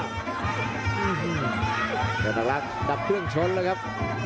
อื้อหือโน่นักรักดับเครื่องชนเลยครับ